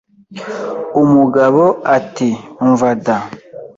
Umugabo ati umva da